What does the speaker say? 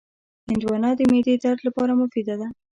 هندوانه د معدې درد لپاره مفیده ده.